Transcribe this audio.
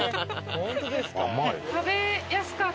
本当ですか。